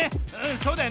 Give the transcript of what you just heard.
そうだよね。